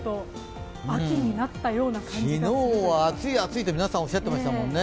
昨日は暑い暑いと皆さんおっしゃってましたもんね。